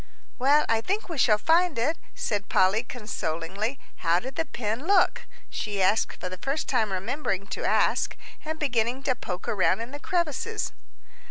"Well, I think we shall find it," said Polly, consolingly. "How did the pin look?" she asked, for the first time remembering to ask, and beginning to poke around in the crevices.